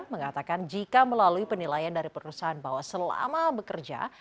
mengatakan jika melalui penilaian dari perusahaan bahwa selama bekerja